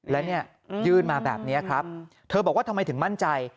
แล้วเนี่ยยื่นมาแบบนี้ครับเธอบอกว่าทำไมถึงมั่นใจ